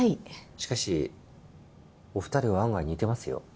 しかしお二人は案外似てますよ。